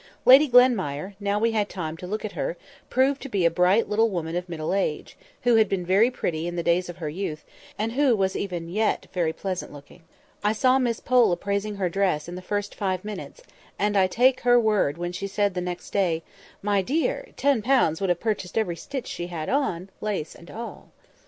Lady Glenmire, now we had time to look at her, proved to be a bright little woman of middle age, who had been very pretty in the days of her youth, and who was even yet very pleasant looking. I saw Miss Pole appraising her dress in the first five minutes, and I take her word when she said the next day— "My dear! ten pounds would have purchased every stitch she had on—lace and all."